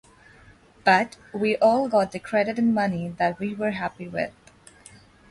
But we all got the credit and money that we were happy with.